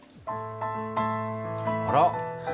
あら？